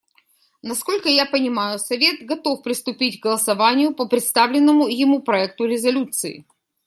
Насколько я понимаю, Совет готов приступить к голосованию по представленному ему проекту резолюции.